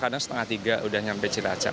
kadang setengah tiga udah sampai cilacap